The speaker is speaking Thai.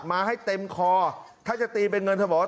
มาให้เต็มคอถ้าจะตีเป็นเงินเธอบอกว่า